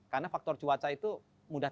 karena faktor cuaca itu mudah